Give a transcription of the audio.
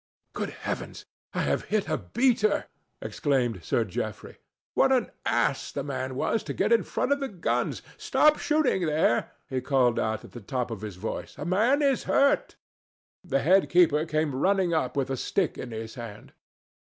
"Good heavens! I have hit a beater!" exclaimed Sir Geoffrey. "What an ass the man was to get in front of the guns! Stop shooting there!" he called out at the top of his voice. "A man is hurt." The head keeper came running up with a stick in his hand.